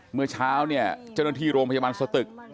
เมื่อเช้าเนี่ยเจ้าหน้าที่โรงพยาบาลสตึก